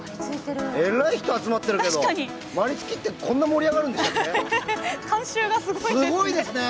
えらい人が集まっているけどまりつきってこんな盛り上がるんでしたっけ？